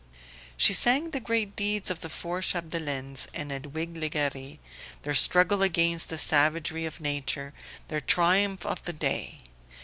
She sang the great deeds of the four Chapdelaines and Edwige Legare, their struggle against the savagery of nature, their triumph of the day.